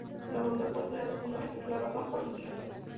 La voluntad puede tener dos fundamentos: la razón o la inclinación.